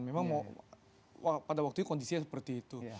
memang pada waktu itu kondisinya seperti itu